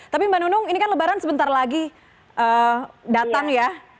tapi mbak nunung ini kan lebaran sebentar lagi datang ya